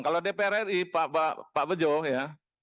kalau dpr ri pak bejo ya